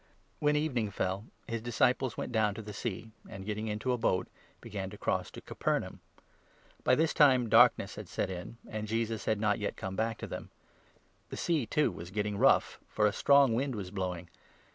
JCBUS When evening fell, his disciples went down it walks on the to the Sea, and, getting into a boat, began to i't water. cross to Capernaum. By this time darkness had set in, and Jesus had not yet come back to them ; the Sea, li too, was getting rough, for a strong wind was blowing.